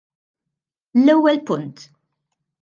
L-ewwel punt.